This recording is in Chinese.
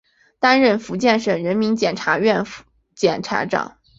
担任福建省人民检察院副检察长。